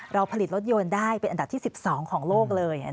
เราผลิตรถยนต์ได้เป็นอันดับที่๑๒ของโลกเลย